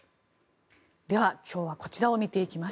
では今日はこちらを見ていきます。